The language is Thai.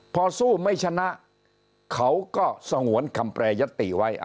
พอสู้ไม่ชนะเขาก็สะหวนคำแปลยังไง